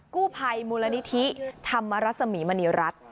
กู้ภัยมูลนิธิธรรมรสมีมณีรัฐ